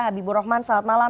habibur rahman selamat malam